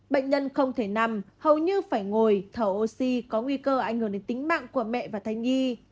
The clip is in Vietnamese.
bệnh nhân không thể nằm hầu như phải ngồi thở oxy có nguy cơ ảnh hưởng đến tính mạng của mẹ và thai nhi